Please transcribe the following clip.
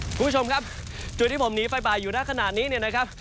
คุณผู้ชมครับจุดที่ผมหนีไฟบ่ายอยู่หน้าขนาดนี้เนี่ยนะครับ